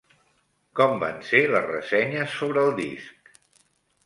Com van ser les ressenyes sobre el disc?